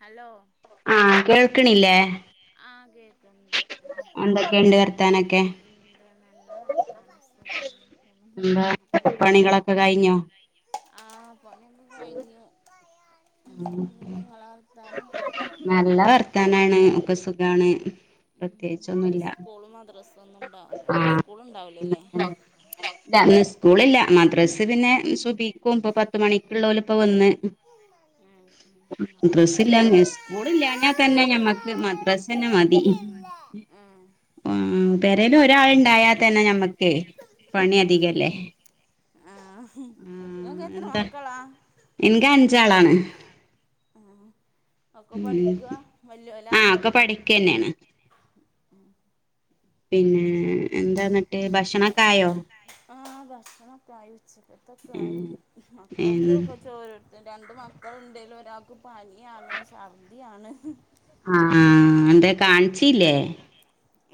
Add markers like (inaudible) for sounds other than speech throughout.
Hello ആഹ് കേൾക്കണില്ലേ ആഹ് കേക്ക്ണ്ട് എന്തൊക്കെയുണ്ട് വർത്താനൊക്കെ എന്താ നല്ല (inaudible) എന്താ എന്താ പണികളൊക്കെ കഴിഞ്ഞോ ആഹ് പണിക്കെ കഴിഞ്ഞു ന്ത ങ്ങളെ വർത്താന നല്ല വർത്താനാണ് ഒക്കെ സുഖണ് ഇന്നിപ്പോ പ്രത്യേകിച്ചൊന്നുല്ല സ്കൂളും മദ്രസ്സ ഒന്നും ഉണ്ടാവൂലല്ലേ അല്ലേ സ്കൂളും ഉണ്ടാവുലോല്ലേ ന്ന് സ്കൂളില്ല മദ്രസ് പിന്നെ സുഭിക്കും ഇപൊ പത്ത് മണിക്കുള്ളല് പ്പ വന്ന് ഉം ഉം മഡ്രസ്സ് ഇല്ലാ സ്കൂള ഇല്ലാഞ്ഞാൽ തന്നെ ഞമ്മക്ക് മദ്രസ്സ്ന്നെ മതി (inaudible) ഉം പെരേൽ ഒരാൾുണ്ടായാൽ തന്നെ നമ്മക്കേ പണി അധികല്ലേ ആഹ് ആഹ് ആ ഇങ്ങക്ക് എത്ര എന്താ മക്കളാ ഇൻക്ക് അഞ്ചാളാണ് ഉം ഒക്കെ ഉം പഠിക്കുക വല്യോലാ ആഹ് ഒക്കെ പഠിക്കന്നെണ് പിന്നെ എന്താന്നിട്ട് ഭക്ഷണക്കായോ ആ ഭക്ഷണക്കായി ഉച്ചത്തെ ആയി മക്കൾക്ക് ചോ രണ്ട് മക്കളുണ്ടെലും ഒരാൾക്ക് പനിയാണ് സഛർദിയാണ് ആഹ് എന്തേ കാണിച്ചില്ലേ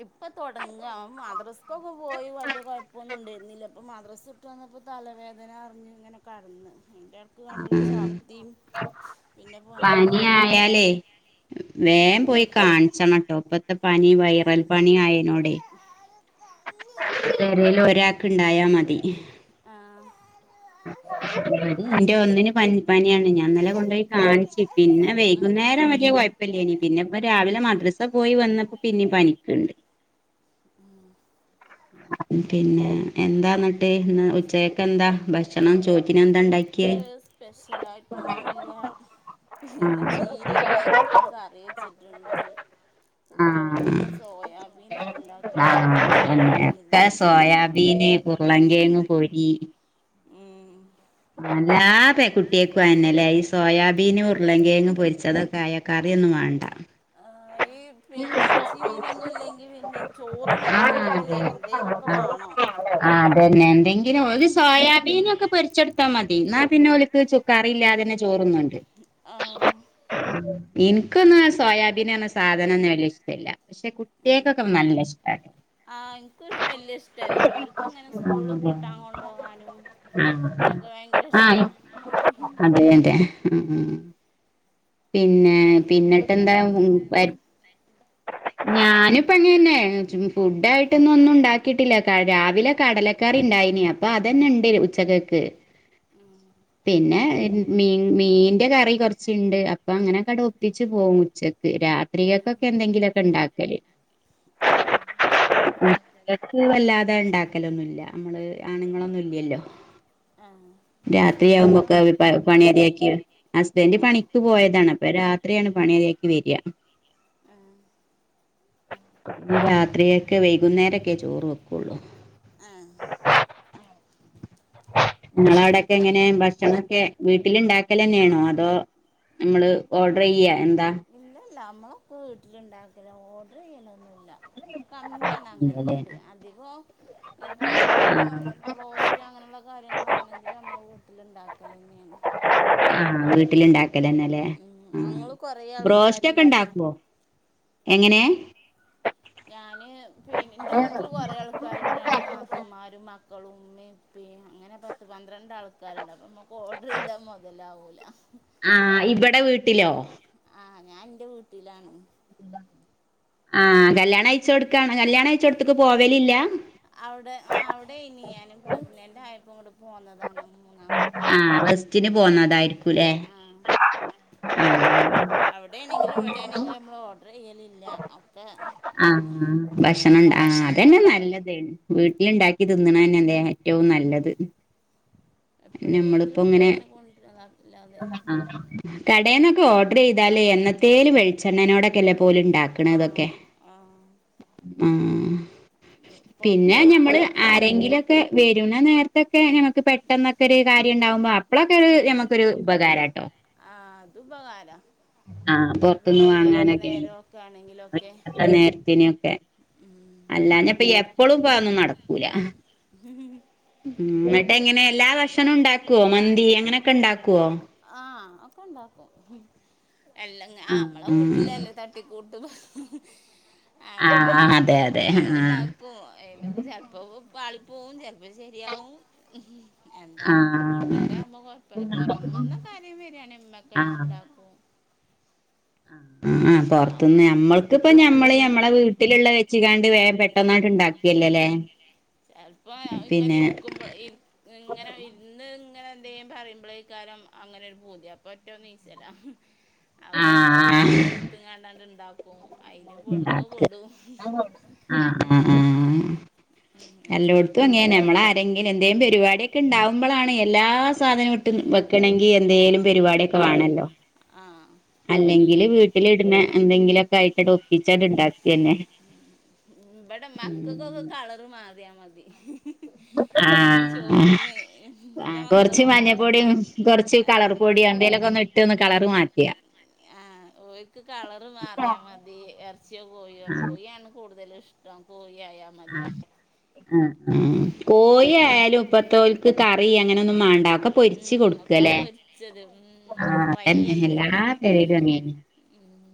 ഇപ്പം തുടങ്ങ ഓന് മദ്രാസക്കൊക്കെ പോയി വല്ല്യ കുഴപ്പന്നും ഉണ്ടായിരുന്നില്ല ഇപ്പൾ മദ്രസ്സ് ഇട്ട് വന്നപ്പോ തലവേദന അറി ഇനെക്കെ കടന്ന് എൻ്റെ ക്ക് കണ്ടും ഛർധിം പിന്നെ പനിയായി ഉം വേൻ പോയി കാണിച്ചണംട്ടോ ഇപ്പത്തെ പനി വൈറൽ പനി ആയതിനോടെ പെരേൽ ഒരാൾക്ക് ഇണ്ടായാ മതി ആഹ് എന്റെ ഒന്നിന് പനി പനിയാണ് ഞാൻഇന്നലെ അങ്ങനെ കൊണ്ടുയി കാണിച്ചി പിന്നെ വൈകുന്നേരം വല്ല്യ കൊഴ ല്ല്യേനി പിന്നെ ഇപ്പം രാവിലെ മദ്രസ പോയി വന്നപ്പോ പിന്നിം പനിക്കുണ്ട് ഉം പിന്നെ എന്താന്നിട്ട് ഉച്ചയൊക്കെ എന്താ ഭക്ഷ ഭക്ഷണം ചോറ്റിനെ എന്താ ഉണ്ടാക്കിയേ സ്പെഷ്യലായിട്ടൊന്നുമില്ല പിന്നെ ചീരയും പരിപ്പും കറി വെച്ചിട്ടുണ്ട് ആഹ് കുട്ടികൾക്കൊക്കെ സോയാബീൻ ഉണ്ടാക്കി വെച്ചിട്ട് മീൻ കറിയുണ്ട് ഉരുളങ്കേങ്ങ് പൊരി ഉം അല്ലാ പെൺകുട്ടിയേക്കുന്നെല്ലേ ഈ സോയാബീനും ഉരുളങ്കേങ്ങും പൊരിച്ച അതൊക്കെ ആയൊക്കെ കറിയൊന്നും വേണ്ട ആഹ് ഈ പിന്നെ ഇറച്ചി മീനൊന്നും ഇല്ലെങ്കി പിന്നെ ചോറും നടന്നുണ്ടെങ്കിലേ എന്തേലൊക്കെ വാണോ അതന്നെ എന്തെങ്കിലും ഒരു സോയാബീനൊക്കെ പൊരിച്ചെടുത്താൽ മതി എന്നാ പിന്നെ ഓലിക്ക് ചോ കറിയില്ലാതന്നെ ചോറുന്നുണ്ട് ആഹ് ഇൻക്കൊന്നാ സോയാബീനാറഞ്ഞ സാധ നൊന്നും വല്യ ഇഷ്ടമല്ല പക്ഷെ കുട്ടികൾക്കൊക്കെ നല്ല ഇഷ്ട്ടാണ് ആഹ് ഇനിക്കൊരു വല്യ ഇഷ്ടല്ല അവർക്ക് ഇങ്ങനെ സ്കൂള് കൂട്ടാൻ കൊണ്ടുപോകാനും ആഹ് ആഹ് അതെ അതെ പിന്നെ പിന്നിട്ട് ഇങ്ങക്ക് എന്താ എന്താന്ന് ഫുഡ് (unintelligible) ഞാനിപ്പോ അങ്ങന്നെ ഫുഡ് ആയിട്ടൊന്നും ഒന്നും ഉണ്ടാക്കിട്ടില്ല രാവിലെ കടല കറി ഉണ്ടായിനി അപ്പൊ അതന്നെ ഉണ്ട് ഉച്ചകക്ക് ആഹ് പിന്നെ മീ മീന്റെ കറി കുറച്ചുണ്ട് അപ്പൊ അങ്ങനെക്കെ ഒപ്പിച്ച് പോകും ഉച്ചക്ക് രാത്രിയൊക്കൊക്കെ എന്തെങ്കിലുമൊക്കെ ഉണ്ടാക്കല് ആഹ് ഉം (unintelligible) ഉച്ചക്ക് വല്ലാതെ ഉണ്ടാക്കലൊന്നുമല്ല നമ്മള് ആണുങ്ങളൊന്നും ഇല്ലല്ലോ ആഹ് ഹസ് രാത്രിയാവുമ്പൊക്കെ പണി മതിയാക്കി ഹസ്ബൻഡ് ആഹ് പണിക്കു പോയതാണ് അപ്പൊ രാത്രിയാണ് പണിയൊക്കെ കഴിഞ്ഞ് വരിക ആഹ് രാത്രിയൊക്കെ വൈകുന്നേരൊക്കെ ചോറ് വെക്കുള്ളൂ ആഹ് നിങ്ങളവിടൊക്കെ എങ്ങനെ ഭക്ഷണൊക്കെ വീട്ടില് ഉണ്ടാക്കൽ തന്നെയാണോ അതോ നമ്മള് ഓർഡർ ചെയ്യ എന്താ അല്ലല്ല നമ്മൾഒക്കെ വീട്ടിലുണ്ടാക്കല്ലാ ഓർഡർ ചെയ്യലൊന്നുമില്ല കമ്മിയാണ് ഇല്ലല്ലേ അങ്ങനത്തത് അധികം ഇപ്പോൾ ഇനിയിപ്പോൾ ബ്രോ സ്റ്റ്. അങ്ങനെയുള്ള കാര്യങ്ങളാണെങ്കിൽ നമ്മൾ വീട്ടില് ഉണ്ടാക്കൽ തന്നെയാണ് ആഹ് വീട്ടിലുണ്ടാക്ക ക്കലന്നല്ലേ ഉം ആ ഞങ്ങള് കൊറേ ബ്രോസ്റ്റ് ഒക്കെ ആൾക്കാരുണ്ടേ ഉണ്ടാക്കുവോ എങ്ങനെ ഞാന് എന്റെ വീട്ടില് കൊറെ ആൾക്ക ആൾക്കാരുണ്ട് രണ്ട് നാത്തൂമാരും മക്കളും ഉമ്മയും ഉപ്പേം അങ്ങനെ പത്ത് പന്ത്രണ്ട് ആൾ ക്കാരുണ്ട് അപ്പൊ നമുക്ക് ഓർഡർ ചെയ്താ മുതലാവൂല ആ ഇവിടെ വീട്ടിലോ ആഹ് ഞാൻ ഇന്റെ വീട്ടിലാണ് ആഹ് കല്യാണം കഴിച്ച കൊടുക്കാണ് കല്യാണം കഴിച്ച കൊടുത്തക്ക് പോവലില്ല അവിടെ ആ അവിടെ ഞാനും പ്രഗ്നന്റ് അയപ്പം ഇങ്ങോട്ട് പോന്നതാണ് മൂന്നാമത്തെ ആഹ് റെസ്റ്റിന് ഗർഭി പോന്നതായിരിക്കൂല്ലേ ആഹ് ആഹ് അപ്പൊ അവിടെ ആണെങ്കിലും ഇവിടെ ആണെങ്കിലും നമ്മൾ ഓർഡർ ചെയ്യലില്ല കെ ആഹ് അങ്ങനെണ്ടാവ (unintelligible) വീട്ടില്ണ്ടാക്കി തിന്ന്ണന്നെ ഏറ്റവും നല്ലത് എപ്പോഴയെങ്കിലും ഒക്കെ ഇങ്ങനെ കൊണ്ടരുന്നല്ലാതെ ആ കടെന്നൊക്കെ ഓർഡർ ചെയ്താല് എന്നത്തേൽ വെളിച്ചെണ്ണനോടൊക്കെല്ലേ ഓല്ണ്ടാക്കണ ആ ഇതൊക്കെ ആ ആ പിന്നെ പുറത്ത് ഞമ്മള് വാങ്ങിക്കലന്നെ ആരെങ്കിലും പെ വരുന്ന നേരത്തൊക്കെ നമുക്ക് പെട്ടെന്നൊക്കെ ഒരു കാര്യം ഉണ്ടാവുമ്പോൾ അപ്പോഴൊക്കെ നക്ക് പരു ഉപകാരാട്ടോ ആ അത് ഉപകാരം ആ പെറത്തൊന്ന് വാങ്ങാനൊക്കെ ത്ത ആണെങ്കിലൊക്കെ അ നേരത്തിനെക്കെ ഉം ഉം അല്ലാഞ്ഞഎപ്പ ളും പ ത്അന്നും നടക്കൂല ഉം ഉം ഇങ്ങട്ട് എങ്ങനെ എല്ലാ ഭക്ഷണവും ഉണ്ടാക്കുവോ മന്തി അങ്ങനെയൊക്കെ ഇണ്ടാക്കുവോ ആഹക്കെ ഉണ്ടാക്കും എല്ലാം നമ്മളെ വീട്ടിലല്ല അ തട്ട് ട്ടിക്കൂട്ട് ആഹ് അങ്ങനെ ആഹ് അതെ അതെ അത് ആഹ് ഇണ്ടാക്കും അയിന്റെപ്പം പാളിപ്പോവും ചിലപ്പോൾ ശരിയാവും എന്തായാലും ആഹ് വീട്കാരകുമ്പോൾ കുഴപ്പമില്ല പുറമന്ന കാര്യം വെരണമ്മക്കാ ആയിട്ട് ഇണ്ടാക്കും ആഹ ആ ആ പുറത്തുന്ന് വീട്ടിലാവുമ്പോൾ പിന്നെ ഞമ്മൾക്കിപ്പ ഞമ്മള് ഞമ്മളെ വീട്ടിലുള്ള വെച്ച കാണ്ട് വേ പെട്ടന്ന് ഇണ്ടാക്കിയല്ലേല്ലേ ചിലപ്പോ ഇങ്ങനെ ഇരിക്കുമ്പോ ഇരി ഇങ്ങനെ ഇര്ന്ന് ഇങ്ങനെ എന്തെിലും പറയുമ്പോളേക്കാലം അങ്ങനെ ഒരു പൂതി അപ്പോൾ റ്റോ ഒന്നുനിച്ച ല്ലാ (unintelligible) അപ്പൊ എന്താ ആഹ് കിട്ടിയെ എടുത്ത് കണ്ടണ്ട് ഇണ്ടാക്കും അയില് പൊടുന്ന പൊടും ആഹ ഉം ഉം ഉം എല്ലോട്ത്തും അങ്ങനെ നമ്മള ആരെങ്കിലും എന്തെ പരിപാടിയൊക്കെ ഉണ്ടാവുമ്പോളാണ് എല്ലാ സാധനവും ക്കുംവെക്കണെങ്കിൽ എന്തേങ്കലും പരിപാടിയൊക്കെ വാണല്ലോ ആഹ അല്ലെങ്കില് വീട്ടിലിടുന്ന എന്തെങ്കിലൊക്കെ ആയിട്ട് ഒപ്പിച്ചാണ്ട് ണ്ടാകന്നെ വിടെ മക്കക്കൊക്കെ കളറ് മാറിയാ മതി ആഹ് ആഹ് ചോറിന് എന്റെ മക്ക നോക്ക കുറച്ച് കളർ പൊടിയോ എന്തെേലൊക്കെ ഒന്ന് ഇട്ട് ഒന്ന് കളർ മാറ്റ ആഹ് ഓൽക്ക് കളർ മാറിയ മതി ഇറച്ചിയോ കോഴോ കോഴിയാണ് കൂടുതല് ഇഷ്ട്ടം ഇതാകുമ്പോകോഴിയാമതി ആ ആ കോയിയാലും ഇപ്പതോൽ കറി അങ്ങനെ ഒന്നും മണ്ട ഒക്കെ പൊരിച്ച് ഉം ഒക്കെ കൊടുക്കല്ലേെ പൊരിച്ചത് ഉം എല്ലാ (unintelligible) ഉം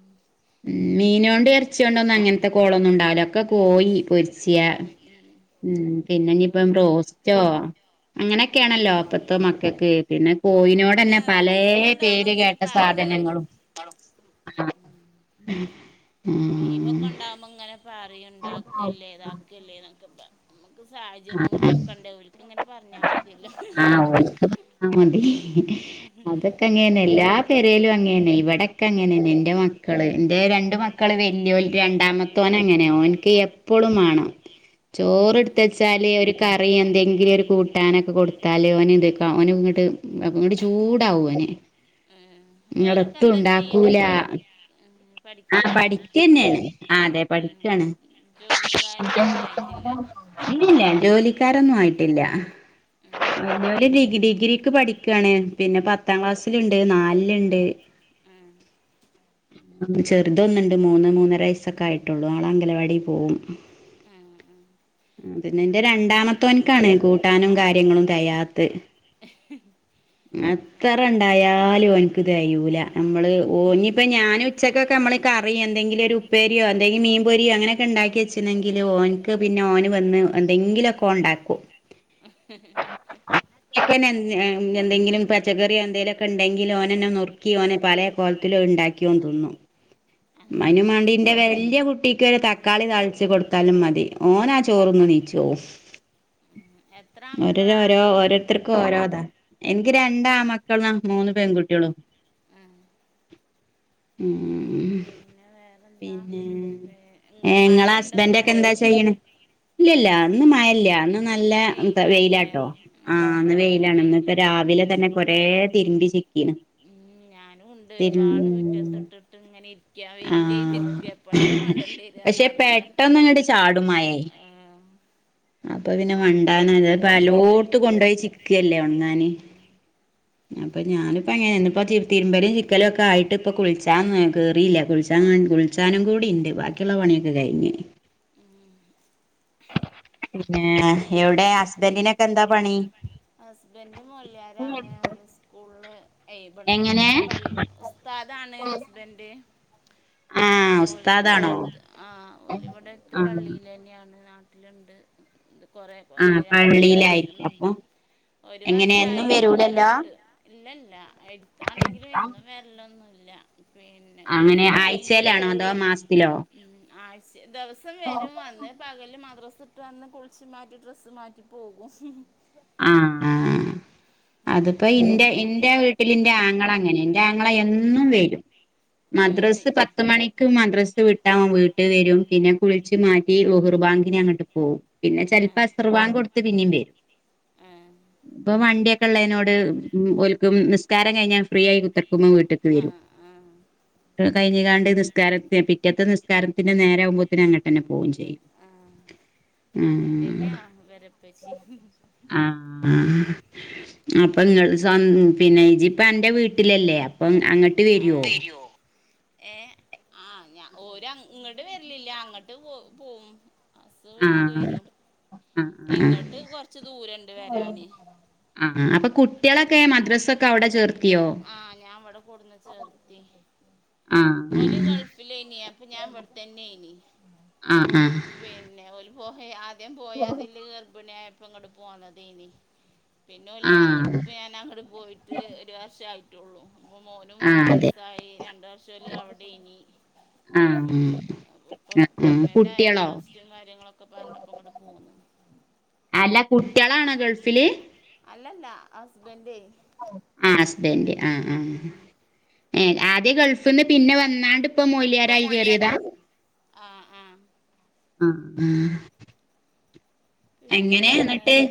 മീനോണ്ട് ഇറച്ചൊണ്ട ഒന്നും അങ്ങനത്തെ കോളൊന്നും ഉണ്ടാവില്ലൊക്കെ കോയി പൊരി കോഴി ഉം പിന്നെ ഇഞ്ഞിപ്പം ഓര്ക്ക് കോ ബ്രോസ്റ്റോ അങ്ങനെയൊക്കെയാണല്ലോ അപ്പത്തോ മക്കൾക്ക് പിന്നെ ആഹ് അങ്ങനെ കോഴിനോട്ന്നെ പലെ ലീവ് ഉണ്ടാവുമ്പോ പേര് ഇങ്ങനെ കേട്ട പറയും സാധനങ്ങളും (unintelligible) ലീവൊക്കെ ഉം ഉണ്ടാവകുമ്പോ ഇങ്ങനെ പറയും ഉണ്ടാക്കല്ലേ ഇതാക്കല്ലേ എന്നൊക്കെ പറ നമുക്ക് സാഹചര്യം കൂടി ഒക്കണ്ടേ ഓൽക്ക് ഇങ്ങനെ പറഞ്ഞാൽ മതിയല്ലോ ആ മന്തി അതൊക്കെ അങ്ങനന്നെ എല്ലാ പേരേലും അങ്ങന്നെ ഇവിടെക്കെ അങ്ങനെന്ന എന്റെ മക്ക മകൾ എന്റെ രണ്ട് മക്കള് രണ്ടാമത്തോന അങ്ങനെയ ഓനിക്ക് എപ്പോഴും വേണം ചോറ്ടുത്ത് ഉം വെച്ച ച്ചാല് ഒരു കറി എന്തെങ്കിലും ഒരു കൂട്ടാനൊക്കെ കൊടുത്താല് ഓന് ഇത് ഓന് ഇങ്ങോട്ട് അപ്പ ങ്ങട്ട് ചൂടാവോന്. ഏഹ് അവരൊക്കെ എന്താ ചെയ്യണ് ഇങ്ങടെത്തുണ്ടാക്കൂല. പഠി ഏഹ് പഠിക്കാണോ ക്യന്നേണ്. ആ അതെ ഉം പഠിക്കാണ്. ജോലിക്കാര് അന്ന് ആയിട്ടില്ല ഇല്ലല്ല. ജോലിക്കാരൊന്നും ആയിട്ടില്ല. അഹ് ഉം ഓല് ഡിഗ്രി ഡിഗ്രിക്ക് പഠിക്കാണ്. പിന്നെ പത്താം ക്ലാസ്സില്ണ്ട്, നാൽ ല്ണ്ട്. ആഹ്. ചെറുതൊന്ന്ണ്ട്, മൂന്ന് മൂന്നര വയസ്സൊക്കെ ആയിട്ടുള്ളു. ആളംഗലവാടി പോവും. ആഹ് ഉം. അ പിന്നെ ന്റെ പിന്നെ രണ്ടാമത്തോൻക്കാണ് കൂട്ടാനും കാര്യങ്ങളും തെയാത്ത. എ ഉം ത്തറണ്ടായാലും ഓൻക്ക്‌ തെയൂല. നമ്മള് ഓ ഞ്ഞിപ്പോ ഞാനുച്ചക്കൊക്കെ നമ്മള് കറി എന്തെങ്കിലൊരു ഉപ്പേര്യോ എന്തെങ്കി മീൻപൊര്യോ അങ്ങനൊക്കെ ണ്ടാക്കി വെച്ച്ണെങ്കില് ഓൻക്ക്‌ പിന്നെ ഓന് വന്ന് എന്തെങ്കിലൊക്കെ ഓൻണ്ടാക്കും. ഉം (unintelligible) എന്തെങ്കിലും പച്ചക്കറ്യോ എന്തേലൊക്കെണ്ടെങ്കില് ഓനെന്നെ നുർക്കി ഓന് പലേ കോൽത്ത്ലും അത്ണ്ടാക്കി ഓൻത് ന്നും അയ്നുമാണ്ടി ന്റെ വെല്യ കുട്ടി. ക്കൊരു തക്കാളി താൾച്ച് കൊട്ത്താലും മതി. ഓനാ ഏഹ് ചോറ്ന്ന് നീച്ചോവും. ഉം എത്ര ഒരൊ രോ ആമക്കളാ രോ ഓരോ. ത്തര്ക്ക്‌ ഓരോതാ. എനിക്ക്‌ രണ്ടാമക്കളാ മൂന്ന് പെൺകുട്ട്യൊളും. ഉം ഉംഉം ഉം പിന്നെ വേറെന്താ പിന്നെ.. പി ഏഹ് ങ്ങളെ മഴയുണ്ടോ ഹസ്ബന്റൊക്കെ ഇന്നവിടെ എന്താ ചെയ്യണേ? ഇല്ലല്ല ഹസ് ന്ന് മഴല്ല. ഇന്ന് നല്ല വെയിലാണില്ലേ വെയിലാട്ടോ. ഉം ആ ഇന്ന് ഞങ്ങൾക്കും വെയിലാണ്. ന്ന് പ്പ രാവിലെ തന്നെ കൊറേ തിര്മ്പി ചിക്കീണ്. ഞാനുംണ്ട് ഒരുപാട് തിരു മുറ്റത്ത്ട്ട്ട്ട് ങ്ങനെ ഇരി ക്യാ.. ആഹ് വെയിറ്റയ്തിരിക്കാ എപ്പഴാ പക്ഷെ മണ്ടണ്ടിര്യാന്നറീല. പെട്ടെന്നങ്ങട്ട് ചാടും മഴേ ആഹ്. അപ്പൊ പിന്നെ ബെഡ് മണ്ടാനല്ലേഅത് പ്പ ബെഡും അല്ലോട്ത്തും കൊണ്ടോയി ബെഡ്ഷീറ്റും ചിക്കല്ലേ ഒണങ്ങാന്. ഉം അപ്പൊ ഞാനിപ്പങ്ങനെ ന്ന്പ്പൊ തി തിര്മ്പലും ചിക്കലൊക്കായിട്ട്പ്പൊ കുൾച്ചാൻകേറീല്ല. കുൾച്ചാൻ മ കുൾച്ചാനും കൂടിണ്ട്. ബാക്കിള്ള പണിയൊക്കെ കൈഞ്ഞ്. പിന്നെ എവിടെ ഹസ്ബന്റിനൊക്കെ എന്താ പണി? ഹസ്ബന്റ് മോല്യാരാണ്. ഓല് സ് സ്കൂൾള് ഏയ് ഇബടെ എങ്ങനെ പള് ഉസ്താദാണ് ഹസ്ബൻഡ് ആഹ് ഓല് ഉസ്താദാണോ ഇവടെട്ത്ത് ആഹ് ഓല് ഇവടെടെത്ത് ആഹ് പള്ളിലെന്യാണ്. നാ ട്ടില്ണ്ട്. ഇത് കൊറേ ആഹ് ര ഒരു വർഷം പള്ളിയിലായിരിക്കും അപ്പൊ ഒരു എങ്ങനെ എന്നും വർഷായി വരൂലല്ലോ വന്നിട്ട്. ഇല്ലല്ല. എട്ത്താണെങ്കിലും ആഹ് എന്നും വെര്ലൊന്നുല്ല. പി അങ്ങനെ ഗൾഫിലെയനി. ആഴ്ചയിലാണോ അതോ മാസത്തിലോ ആഴ്ചെ ദെവസം വരും. വന്ന് പകല് മദ്രസ്ട്ട് വന്ന് കുൾ ച്ച് മാറ്റി ഡ്രെസ്സ് മാറ്റിപ്പോകും. ആഹ് ആഹ്. അത്പ്പോ അങ്ങനെ ഇന്റെ ഇന്റെ വീ ട്ടിലിന്റെ ആങ്ങള അങ്ങനെ. ന്റെ ആങ്ങള എന്നും വരും. ഏഹ് മദ്രസ് പത്ത് മണി ക്ക് മദ്രസ് വിട്ട ഓൻ വീട്ടി വരും. പിന്നെ കുൾച്ച്മാറ്റി ളുഹുർ ബാങ്കിന് അങ്ങട്ട് പോവും പിന്നെ ചെൽപ്പൊ ആഹ് അസർവാങ്കട്ത്ത് പിന്നിം വരും. ആഹ്. പ്പം വണ്ടിഒയൊക്കെ ള്ളേനോട് ഓൽക്ക്‌ നിസ്കാരം കഴിഞ്ഞാ ഫ്രീയായി കുത്തർ ക്കുമ്പം വീട്ട്ക്ക്‌ വരും. ആഹ് ആഹ് ട്ടത് കഴിഞ്ഞ്കാണ്ട് നിസ്കാരത്തി പിറ്റത്തെ നിസ്കാരത്തിന്റെ നേരാ വുമ്പോത്ത്ന് അങ്ങട്ടെന്നെ പോവും ചെയ്യും. ഉം അങ്ങൻതന്യാവരപ്പച്ചി... ആഹ് ആഹ് അപ്പൊ നിങ്ങള് സം. പിന്നെ ഇജ്ജ് ഇപ്പോ അന്റെ വീട്ടിലല്ലേ അപ്പം അങ്ങട്ട് വരുവോ അതെയോ. ഏ ആ ഞാ ഓര് ഇങ്ങട്ട് വരലില്ല അങ്ങട്ട് പോ പോവും. ബസ് വീട്ട്ക്ക് ആഹ് വരും ആഹ് ആഹ് ഇങ്ങട്ട് കൊറച്ച് ദൂരണ്ട് വരാന്. ആ അപ്പ കുട്ടി. കുട്ട്യാളൊക്കെ മദ്രസൊക്കെ അവിടെ ചേർത്തിയോ? ആഹ് ഞാൻ ഇവിടെ കൊടുന്ന് ചേർത്തി ആഹ് ആഹ് ഫിലേനി അപ്പ ഞാൻവട്ത്തന്നേനി ആ ആഹ്. പിന്നെ ഓല് പോകെ ആദ്യം പോയ അതില് ഗർഭിണിയായപ്പം ഇങ്ങട്ട് പോന്നതേനി. പിന്നെ ഓല് വന്നിട്ട് ആഹ് ഇപ്പോ ഞാൻ അങ്ങോടെ പോയിട്ട് ഒരു വർഷം ആയിട്ടുള്ളൂ മോനും മൂന്ന് ആഹ് അതെ വയസ്സായി രണ്ട് വർഷം ഓര് അവിടെ ഏനി. ആഹ് ഗൾഫില് അപ്പൊ ഇപ്പൊ ആഹ് പ്രഗ്നന്റ് ആയപ്പോ കുട്ടികളോ റസ്റ്റും കാര്യങ്ങളൊക്കെ പറഞ്ഞപ്പ ഇങ്ങട്. ഉം. അല്ല കുട്ട്യാളാണോ ഗൾഫില്? അല്ലല്ല ഹസ്ബൻഡേ. ആ ഹസ്ബൻഡ് ആഹ് ആഹ് ഉം ഏ ആദ്യ ഗൾഫിന്ന് പിന്നെ വന്നാണ്ട്. ഇപ്പൊ ഇപ്പൊ മൊയിലിയാരായി മൊയിലിയാ കേയറിയതാ? ആഹ് ആഹ് ആഹാ. എങ്ങനെ പിന്നെ ഇന്നിട്ട്? വേറെ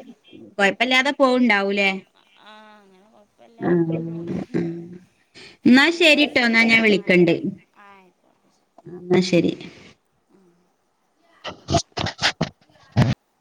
കൊഴപ്പില്ലാതെ പോവണ്ടാവൂലേ? ആഹ് അങ്ങനെ കൊഴപ്പല്ല അങ്ങനെ പോണ്. എന്നാ എന്താ ശരിട്ടോ എന്നാ ഞാൻ ആഹ് വിളിക്കണ്ട് അയിക്കോട്ടെ എന്നാ ശരി